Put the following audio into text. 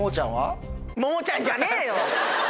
モーちゃんじゃねえのよ！